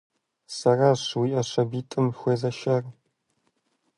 Сэращ уи Ӏэ щабитӀым хуезэшар.